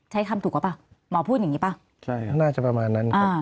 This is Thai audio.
ใช้คำถูกว่ะหมอพูดอย่างนี้เปล่า